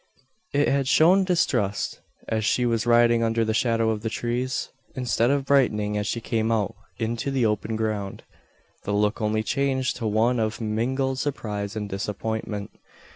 It had shown distrust, as she was riding under the shadow of the trees. Instead of brightening as she came out into the open ground, the look only changed to one of mingled surprise and disappointment.